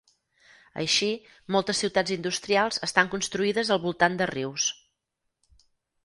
Així, moltes ciutats industrials estan construïdes al voltant de rius.